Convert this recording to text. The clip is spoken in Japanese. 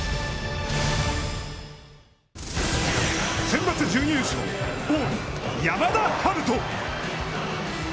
センバツ準優勝近江、山田陽翔。